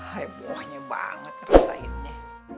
he buahnya banget rasainnya